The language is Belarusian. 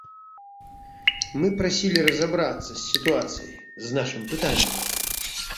Мы прасілі разабрацца з сітуацыяй, з нашым пытаннем.